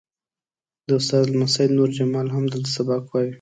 د استاد لمسی نور جمال هم دلته سبق وایي.